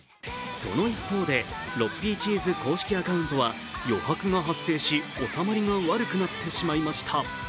その一方で、６Ｐチーズ公式アカウントは余白が発生し、収まりが悪くなってしまいました。